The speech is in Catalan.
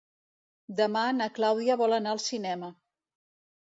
Demà na Clàudia vol anar al cinema.